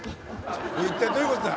一体どういう事だ？